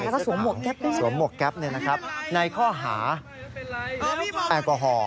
แล้วก็สวมหมวกแก๊ปเนี่ยนะครับในข้อหาแอลกอฮอล์